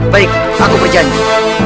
baik aku berjanji